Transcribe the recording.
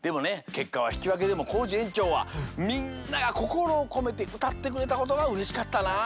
けっかはひきわけでもコージえんちょうはみんながこころをこめてうたってくれたことがうれしかったなあ。